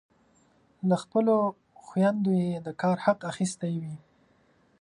له خپلو خویندو یې د کار حق اخیستی وي.